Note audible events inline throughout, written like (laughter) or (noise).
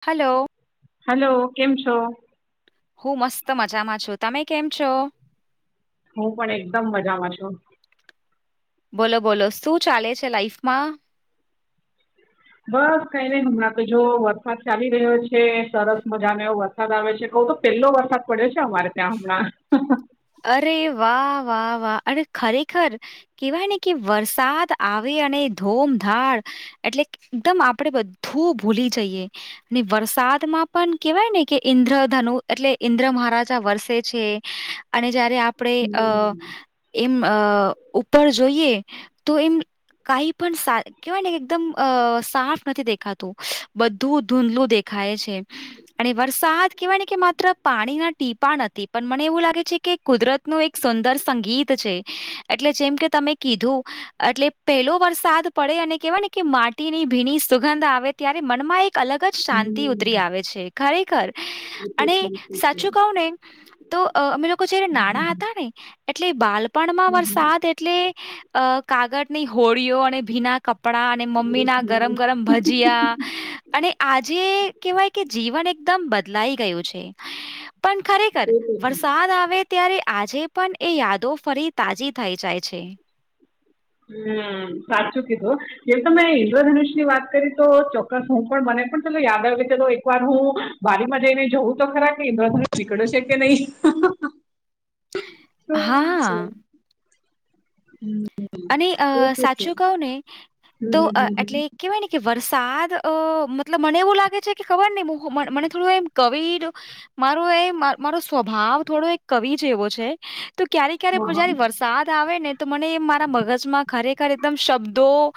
Hello hello કેમ છો હું મસ્ત મજામાં છું તમે કેમ છો હું પણ એકદમ મજામાં છું બોલો બોલો શું ચાલે છે લાઈફમાં બસ કઈ નઈ હમણાં તો જો વરસાદ ચાલી રહ્યો છે સરસ મજા નવ વરસાદ વરસાદ આવે છે કઉ તો પેલો વરસાદ પડ્યો છે અમારે ત્યાં હમણાં અરે વાહ વાહ વાહ અરે ખરેખર કહેવાય ને કે વરસાદ આવે અને ધૂમધાડ એટલે એકદમ આપડે બધું ભૂલી જઈએ અને વરસાદમાં પણ કેવાય ને કે ઈન્દ્રધનુ એટલે ઈન્દ્ર મહારાજા વરસે છે અને જયારે આપણે અ હમ એમ ઉપર જોઈએ તો એમ કાઈ પણ કેવાય ને એકદમ સાફ નથી દેખાતું બધું ધૂંધલું દે ખાય છે અને વરસાદ કેવાય ને કે માત્ર પાણીના ટીપા નથી પણ મને એવું લાગે છે કે કુદરત નું એક સુંદર સંગીત છે એટલે જેમ કે તમે કીધું એટલે પહેલો વરસાદ પડે અને કેહેવાય ને કે માટીની ભીની સુગંધ આવે ત્યારે મનમાં એક અલગ જ શાંતિ ઉતરી આવે છે ખરેખર એ તો અને છે એ તો છે સાચું કઉ ને તો પેલુ નાણા હતા ને એટલે બાલપણમાં વરસાદ એટલે કાગળ ની હોળીઓ અને ભીના કપ આપણા અને અરે મમ્મી ના ગરમ હા ગરમ ભજીયા અને આજે કેહેવાય કે જીવન એકદમ બદલાઈ ગયું છે પણ ખરેખર એ તો છે વરસાદ આવે આવે ત્યારે આજે પણ એ યાદો ફરી તાજી થઈ જાય છે હમ્મ સાચું કીધું એ તમે ઇન્દ્રધનુષ ની વાત કરી તો ચોક્કસ હું પણ બને પણ ચલો યાદ આવે તો એક વાર હું બારી માં જઈને જવું તો ખરા કે ઇન્દ્ર ધનુષ નીકડે છે કે નહી ગમ છે હા હમ્મ અને સાચું કઉ ને તો હમ હમ હમ એટલે હમ કેવાય ને કે વરસાદ અ મતલબ મને એવું લાગે છે કે ખબર નહું મને થોડું એમ કવિડ મારો એ મારો સ્વભાવ થોડો એક કવિ જેવો છે તો ક્યારે ક્યારે હા હા જયારે વરસાદ આવે ને તો મને એમ મગજમાં ખરેખર એકદમ શબ્દો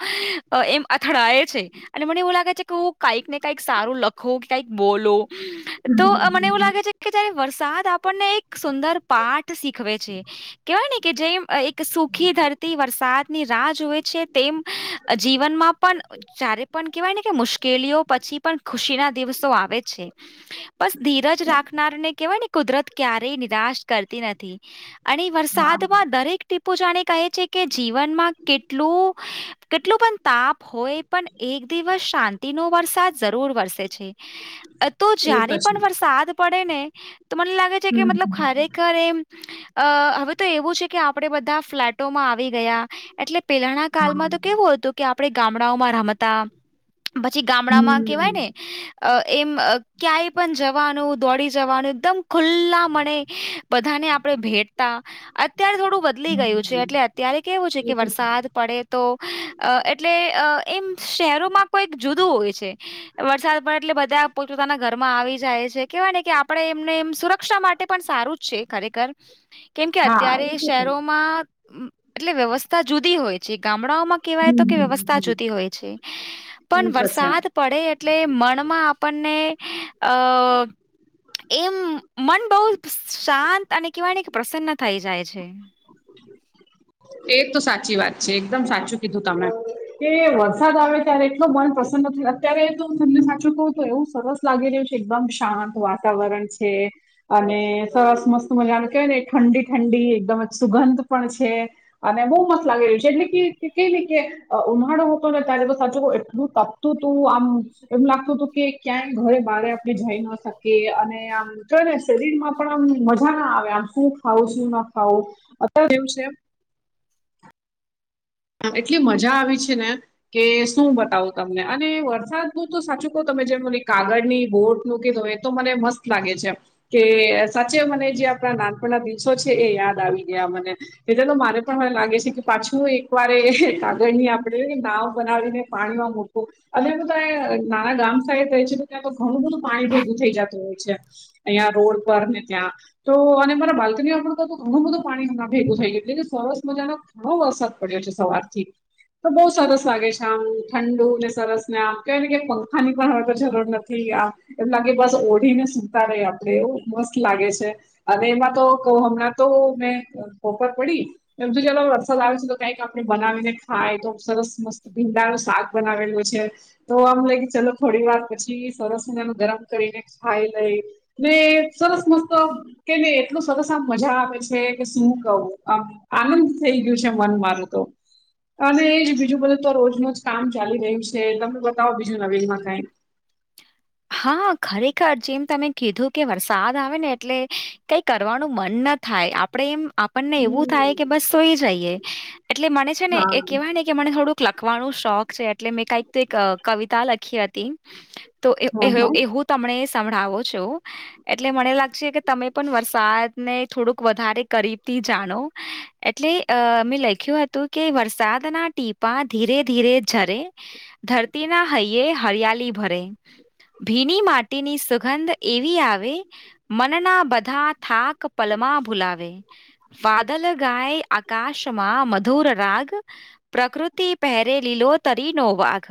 એમ અથડાય છે અને મને એવું લાગે છે કે હું કઈક ને કઈક સારું લખું કે કઈક બોલો હમ તો હમ મને હમ એવું લાગે છે કે જયારે વરસાદ આપણને એક સુંદર પાઠ શીખવે છે કેવાય ને કે જે એક સુખી ધરતી વરસાદની રાહ જોએ છે તેમ જીવનમાં પણ જારે પણ કેવાય ને કે મુશ્કેલીઓ પછી પણ ખુશી ના દિવસો આવે છે બસ ધીરજ રાખનારને કેહેવાય ને કુદરત ક્યારેય નિરાશ કરતી નથી અને વરસાદમાં દરેક ટીપો જાણે કહે છે કે જીવનમાં કેટલું કેટલો પણ તાપ હોય પણ એક દિવસ શાંતિ નો વરસાદ જરૂર વરસે છે તો હમ એ જયારે છે પણ વરસાદ પડે ને તો મને લાગે છે કે હમ હમ ખરેખર એ હવે તો એવું છે કે આપડે બધા ફ્લેટોમાં આવી ગયા એટલે પેલાના કાલમાં તો કેવું હતું કે આપે ગામડાઓમાં રમતા પછી ગામડામાં કેવાય ને હમ્મ. અ એમ ક્યાંય પણ જવાનું દોડી જવાનું એકદમ ખુલ્લા મણે બધાને આપણે ભેટતા અત્યારે થોડું બદલી ગયું છે એટલે અત્યારે કેવું છે એ કે તો વરસાદ પડે તો એટલે એમ શહેરોમાં કોઈક જુદું હોય છે વરસાદ પડે એટલે બધા પોત પોતાના ઘરમાં આવી જાય છે કેવાય ને કે આપડે એમને એમ સુરક્ષા માટે પણ સારું જ છે ખરેખર કેમ કે હા, અત્યારે એ તો છે. શહેરોમાં એટલે વ્યવસ્થા જુદી હોય જે ગામડાઓમાં કહેવાય તો હમ્મ, કે હમ્મ. વ્યવસ્થા જુદી હોય છે એ પણ તો છે. વરસાદ પડે એટલે મનમાં આપણને અ એમ મન બહુ શાંત તને કહેવાની કે પ્રસન્ન થઈ જાય છે. એ તો સાચી વાત છે એકદમ સાચું કીધું તમે. કે વરસાદ આવે ત્યારે એટલો મન પસંદન અત્યારે તો તમને સાચું કહવું તો એવું સરસ લાગી રહ્યું છે એકદમ શાંત વાતાવરણ છે. અને સરસ મસ્ત મજાને કેવાય ને ઠંડી ઠંડી એકદમજ સુગંધ પણ છે. અને બહુ મસ્ત લાગી રહ્યું છે એટલે કે કઈ નહી કે ઉનાળો હતો ને ત્યારે બસ સાચુ એટલું તપ તું આમ એમ લાગતું હતું કે ક્યાંય ઘરે બારે આપણે જઈ ન શકીએ અને આ તો ને શરીર માં પણ આમ મજાના આવે આમ શું ખાવું શું ના ખાવું અત્યારે એવું છે. એટલી મજા આવી છે ને. કે શું બતાવું તમને અને વરસાદનું તો સાચું કહો તમે જેમ મને કાગળની બોટ મૂકી હોય. તો મને મસ્ત લાગે છે. કે સાચે મને જે આપણા નાનપના દિવસો છે એ યાદ આવી ગયા મને. એલેતો માને પણ હવે લાગે છે કે પાછું એક એક વારે કાગળની આપણે નાવ બનાવીને પાણીમાં મોટું (unintelligible) નાના ગામ થાય છે ક્યાં તો ઘણું બધું પાણી ભેગું થઈ જતું હોય છે. અહં રોડ પર ને ત્યાં તો અને મારા બાલ્કનીમાં પણ કહ તો ઘણું બધું પાણીમાં ભેગું થઈ ગયું એટલે કે સરસ મજાનો ઘણો વરસાદ. પડીઠું સવારથી. તો બહુ સરસ લાગે છે આમ ઠંડુ ને સરસ ને આમ કહેવા ને કે પંખાની પણ હ તો જરૂર નથી. એમ લાગે બસ ઓઢી ને સુતા ર આપડે એવ મસ્ત લાગે છે. અને એમાં તો ક હમણાં તો મેં પોપર પડી એમ તો જ વસા લાવી છે. કઈક આપડે બનાવીને ખાય તો સરસ મસ્ત ભીંડા નો શાક બનાવેલું છે. તો આમ લાગ કે ચલો થોડી વાર પછી સરસનેનું ગરમ કરીને ખાઈ લઈ. જે સરસ મસ્ત. કે નને એટલું સરસ આમ મજા આવેે છે કે શું કહું આનંદ થઈ ગયું છે મનમાં. હલો. અને એ બીજું બધું તો રોજનુંજ કામ ચાલી રહ્યું છે તમને બતાવો બીજું નવીનમાં કઈ હા ખરેખર જેમ તમે કીધું કે વરસાદ આવે ને એટલે કઈ કરવાનું મન નથી. થાય આપણેે એમ આપણને એવું હમ થાય કે બસ સોઈ જઈએ એટલે મને છે ને એ હા કેહેવાય ને કે મને થોડુંક લખવાનું શોખ છે એટલે મેં કક એક કવિતા લખી હતી તો એ એ હા હા એવું તમને સંભળાવો છો એટલે મને લાગશે કે તમે પણ વરસાદને થોડુંક વધારે કરીથી જાણો એટલે અ મેં લખ્યું હતું કે વરસાદના ટીપા ધીરે ધીરે ઝરે ધરતી ના હૈયે હરિયાલી ભરે. ભીની માટીની સુગંધ એવી આવે મનના બધા થાક પલમાં ભૂલાવે. વાદલ ગાય આકાશમાં મધુર રાગ પ્રકૃતિ પહેરે લીલો તરી નો વાઘ.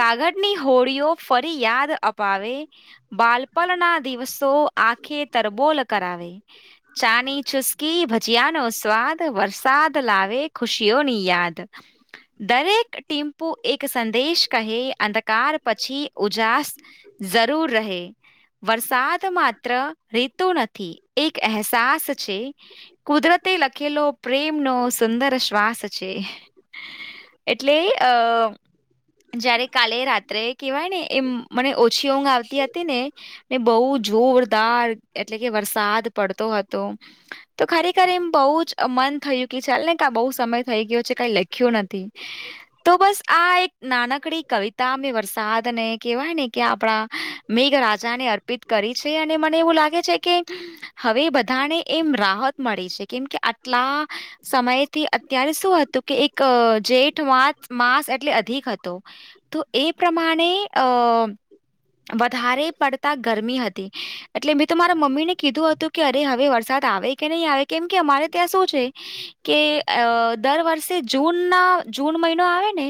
કાગળની હોળઓ ફરી યાદ અપાવે બાલપલના દિવસો આંખે તરબોલ કરાવે. ચાની ચુસકી ભજીયા નો સ્વાદ વરસાદ લાવે ખુશીઓની યાદ. દરેક ટીમ્પુ એક સંદેશ કહે અંધકાર પછી ઉજાસ જરૂર રહે. વરસાદ માત્ર રેતો નથી એક અહેસાસ છે. કુદરતે લખેલો પ્રેમનો સુંદર શ્વાસ છે એટલે અ જયારે કાલે રાત્રે કેહેવાય ને એમ મને ઓછી ઊંઘ આવતી હતી ને ને બહુ જોરદાર એટલે કે વરસાદ પડતો હતો. તો ખરેખર એમ બહુજ મન થયું કે ચાલને બહુ સમય થઈ ગયો છે કઈ લખ્યું નથી. તો બસ આ એક નાનકડી કવિતામે વરસાદ અનેને કેવાય ને કે આપણા મેઘ રાજા ને અર્પિત કરી છે અને મને એવું લાગે છે કે હવે બધાને એમ રાહત મળી છે કેમ કે આટલા સમય થી અત્યારે શું હતું કે એક જેઠસ માસ એટલે અધિક હતું તો એ પ્રમાણે અ વધારે પડતા ગરમ એટલે મેં તો મારા મમ્મીને કીધું હતું કે અરે હવે વરસાદ આવે કે નહી આવે કેમ કે અમારે ત્યાં શું છે. કે દર વર્ષે જૂન ના જૂન મહિનો આવે ને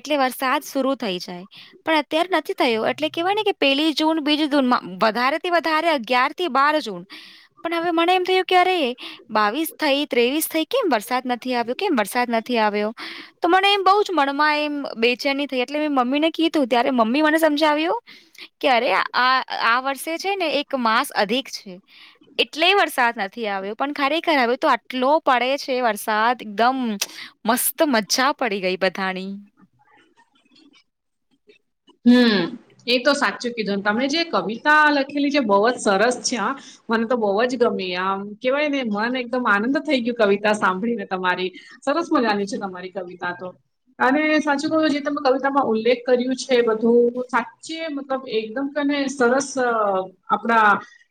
એટલે વરસાદ શરુ થઈ જાય પણ અત્યારે નથી થયો એટલે કેવાય ને કે પેલી જૂન બીજી જૂનમાં વધારે થી વધારે અગયાર થી બાર જૂન પણ હવે મને એમ થયું અરે બાવીસ થઈ ત્રેવીસ થઈ કેમ વરસાદ નથી આવ્યો કેમ વરસાદ નથી આવ્યો તો મને એમ બહુ જ મનમાં એમ બે ચેન ની થઈ એટલે મેં મમ્મીને કી ું ત્યારે મમ્મી મને સમજાવ્યું કરે આ આ વર્ષે છે ને એક માસ અધિક છે. એટલે વરસાદ નથી આવ્યો પણ ખરેખર આવ્યો તો આટલો પડે છે વરસાદ એકદમ મસ્ત મજા પડી ગઈ બધાની હમ એ તો સાચું કીધુંને તમને જે કવિતા લખેલી જે બહુ જ સરસ છે હ મને તો બહુ જ ગમી આમ કેહેવાય ને મને એકદમ આનંદ થઈ ગયું કવિતા સાંભળીને તમારી સરસ મજાની છે તમારી કવિતા તો અને સાચું કહું જે તમે કવિતામાં ઉલ્લેખ કર્યું છે. બધું સાચે મતલબ એકદમ કેને સરસ આપણા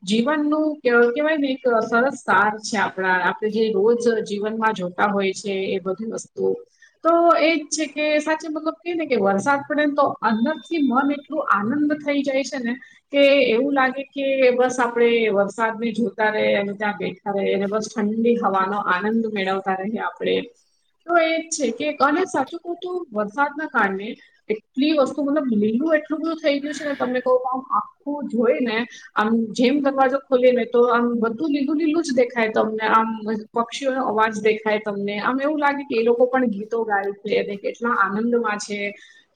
જીવનનું કેવાય ને એક સરસ સાર છે આપણા આપણે જે રોજ જીવનમાં જો હોય છે એ બધી વસ્તુ તો એજ છે કે સાચે મતલબ કે ને કે વરસાદ પડેને તો અંદરથી મન એટલું આનંદ થઈ જાય છે ને કે એવું લાગે કે બસ આપડે વરસાદ ભી જોતા ર અને ત્યાં બેઠ હવે એને બસ ઠંડી હવાનો આનંદ મેળવતા ર આપણેે તો એ જ છે કે અને સાચું કહતું વરસાદના કારણે પ્લી વસ્તુ મતલબ લીલું એટલું બધું થઈ ગયું છે ને તમને કહું આમ આખું જોઈ ને આમ જેમ દરવાજો ખોલી ને તો આમ બધું લીલું લીલું જ દેખાય તમને આમ પક્ષીઓ નો અવાજ દેખાય તમને આમ એવું લાગે કે એ લોકો પણ ગીતો ગાય છે અને એટલા આનંદમાં છે.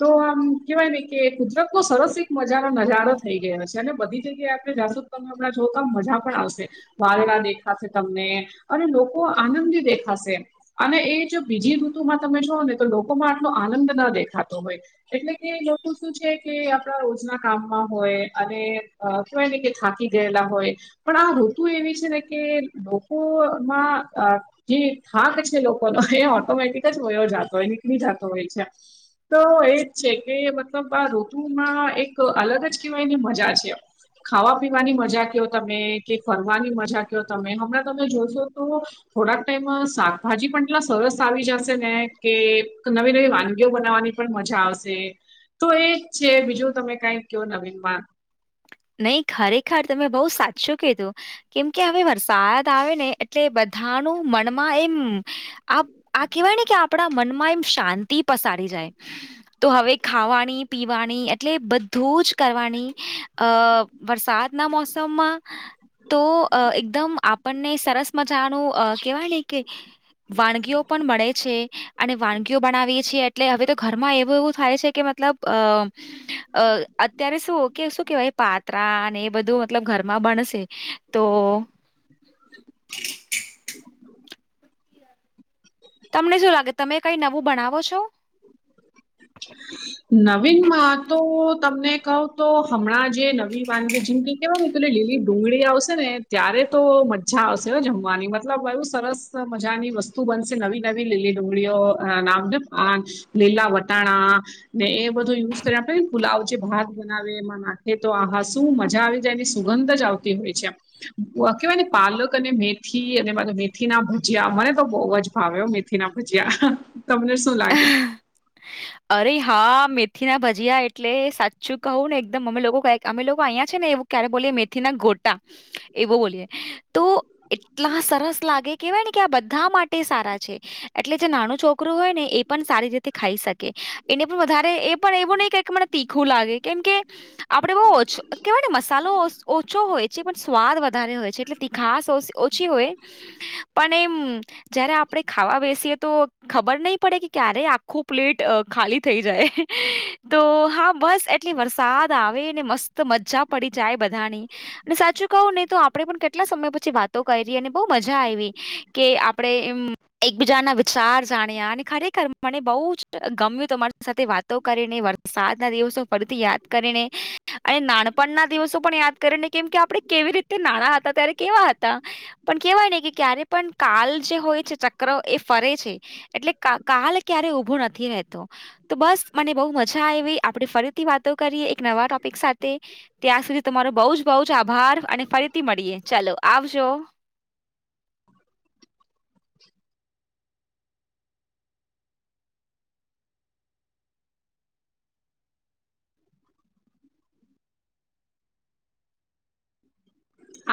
તો આમ કેવાય ને કે કુદરત બહ સરસ એક મજારો નજારો થઈ ગયો છે અને બધી જગ્યાએ આપણે જાશું પણ હમણાં જો કામ મજા પણ આવશે. વારણા દેખાશે તમને અને લોકો આનંદી દેખાશે અને એ જો બીજી ઋતુમાં તમે જો ને તો લોકોમાં આટલો આનંદ ન દેખાતો હોય એટલે કે લોકો શું છે કે આપડા રોજના કામમાં હોય અને અ કહેવાય કે થાકી ગયેલા હોય પણ આ ઋતુ એવી છે ને કે લોકોમાં જે થાક છે લોકોનો એ ઓટોમેટિક જ વયો જતો હોય નીકળી જતો હોય છે. તો એ છે કે મતલબ આ ઋતુમાં એક અલગ જ કહેવાયની મજા છે એમ ખાવા પીવાની મજા કયો તમે કે ફરવાની મજા કયો તમે હમણાં તમે જોશો તો થોડાક ટાઈમ શાકભાજી પણ એટલા સરસ આવી જશે ને કે નવી નવી વાનગીઓ બનાવવાની પણ મજા આવશે તો એ છે બીજું તમે કઈક કયો નવીનમાં નહી ખરેખર તમે બહુ સાચું કીધું કેમ કે હવે વરસાદ આવે ને એટલે બધાનું મનમાં એમ આ આ કહેવાય ને કે આપણા મનમાં એમ શાંતિ પસારી જાય તો હવે ખાવાની પીવાની એટલે બધું જ કરવાની અ વરસાદના મોસમમાં તો એકદમ આપણને સરસ મજાનું કેવાય ને કે વાનગીઓ પણ મળે છે અને વાનગીઓ બનાવીએ છીએ એટલે હવે તો ઘરમાં એવું એવું થાય છે કે મતલબ. અ અ અત્યારે શું કે શું. કેવાય પાત્રા ને એ બધું મતલબ ઘરમાં બણશે તો. તમને શું લાગે તમે કઈ નવું બનાવો છો. નવીન માં તો તમને કહ તો હમણાં. જે નવી વાનગી જિંદગી કેવા. લીલી ડુંગળી આવશે ને ત્યારે તો મજા આવશે જમવાની મતલબ એવું સરસ. મજાની વસ્તુ બનશે નવી નવી લીલી ડુંગળીઓ નામ લીલા વ. તણા. ને એ બધું યુઝ કરી આપડેને પુલાવ જે ભાત બનાવે એમાં નાખે તો આા શું મજા આવી જાય એની. સુગંધ જ આવતી હોય છે. કેહેવાય ને પાલક અને મેથી અને મા મેથી ના ભજીયા મને તો બહુ જ ભાવ્યો. ના ભજ્યા તમને શું લાગે. હ. અરે હા મેથી ના ભજીયા એટલે સાચું કહું ને એકદમ અમે લોકો ક અમે લોકો અહીંયા છે ને એવું. ક્યારે બોલીએ મેથી ના ગોટા એવો બોલીએ તો. એટલા સરસ લાગે કેવાય ને કે આ બધા માટે સારા છે એટલે જે નાનું છોકરું હોય ને. એ પણ સારી રીતે ખાઈ શકે એને પણ વધારે એ પણ એવું નહીં કે કે મને તીખું લાગે કેમ કે. આપડે બહ ઓ કેવાય ને મસાલો ઓછો હોય છે પણ સ્વાદ વધારે હોય છે એટલે. ખાસ ઓછી હોય. પણ એમ જયારે આપડે ખાવા બેસીએ તો ખબર નહ. પ ક્યારે આખું પ્લેટ ખાલી થઈ જાય તો હા બસ. એટલી વરસાદ આવે ને મસ્ત મજા પડી જાય બધાની. અને સાચું કહું નહી તો આપડે પણ કેટલા સમય પછી વાતો કરી અને બહુ મજા આવી કે આપડે એમ. એકબીજાના વિાર જાણ ને. ખરેખર મને બહુ જ ગમ્યું તમારી સાથે વાતો કરીને વરસાદના દિવસો ફરીથી યાદ. કરીને અને નાનપણના દિવસો પણ યાદ કરીને કેમ કે આપણે કેવી રીતે નાણા હતા ત્યારે. કેવા હતા. પણ કેહેવાય ને કે ક્યારે પણ કાલ જે હોય છે ચક્ર એ ફરે છે એટલે. કાલ ક્યારે ઉઊભો નથી રહેતો. તો બસ મને બહુ મજા આવી આપણે ફરીથી વાતો કરીએ એક નવા ટોપિક સાથે. ત્યાં સુધી તમારો બહ જ બહ જ આભાર અને ફરીથી મળીએ ચાલો આવજો.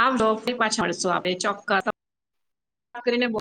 આવઈ પાછાળશો આપડે ચોક્કસને બો.